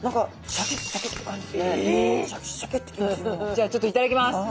じゃあちょっと頂きます。